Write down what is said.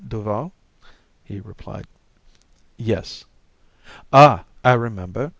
Duval?" he replied. "Yes. "Ah! I remember.